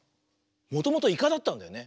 もともとイカだったんだよね。